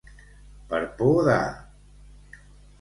Per por de.